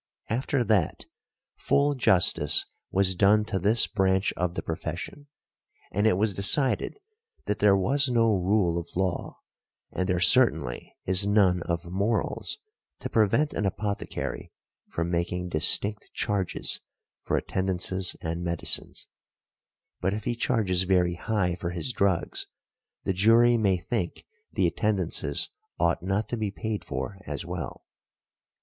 After that full justice was done to this branch of the profession, and it was decided that there was no rule of law, and there certainly is none of morals, to prevent an apothecary from making distinct charges for |17| attendances and medicines; but if he charges very high for his drugs the jury may think the attendances ought not to be paid for as well .